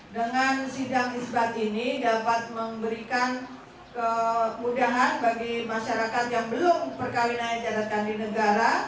dengan sidang isbat ini dapat memberikan kemudahan bagi masyarakat yang belum perkawinan dijalankan di negara